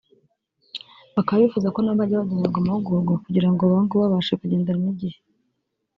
bakaba bifuza ko na bo bajya bagenerwa amahugurwa kugira ban go babashe kugendana n’igihe